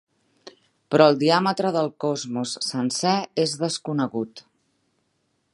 Però el diàmetre del cosmos sencer és desconegut.